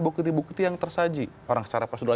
bukti bukti yang tersaji orang secara prosedural